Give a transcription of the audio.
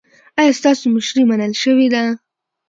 ایا ستاسو مشري منل شوې ده؟